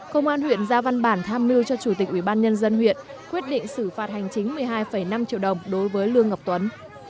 công an huyện ra văn bản tham mưu cho chủ tịch ubnd huyện quyết định xử phạt hành chính một mươi hai năm triệu đồng đối với lương ngọc tuấn